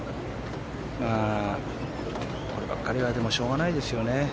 こればっかりはしょうがないですよね。